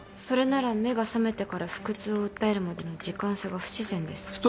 それなら目が覚めてから腹痛を訴えるまでの時間差が不自然です。